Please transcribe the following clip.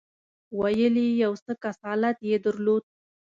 ویل یې یو څه کسالت یې درلود.